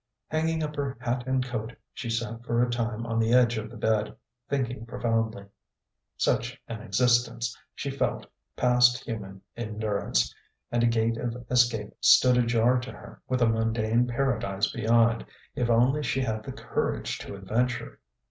Hanging up her hat and coat, she sat for a time on the edge of the bed, thinking profoundly. Such an existence, she felt, passed human endurance. And a gate of escape stood ajar to her, with a mundane paradise beyond, if only she had the courage to adventure....